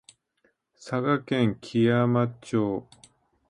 佐賀県基山町